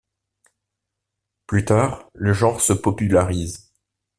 Plus tard, le genre se popularise.